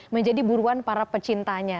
menjadi buruan para pecintanya